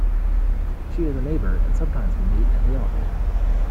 She is a neighbour, and sometimes we meet in the elevator.